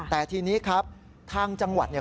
แต่ทีนี้ครับทางจังหวัดเนี่ย